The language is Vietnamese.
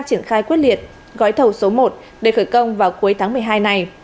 gói thầu số một để khởi công vào cuối tháng một mươi hai này